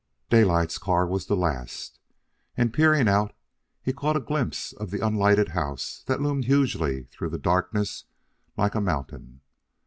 Daylight's car was the last, and, peering out, he caught a glimpse of the unlighted house that loomed hugely through the darkness like a mountain.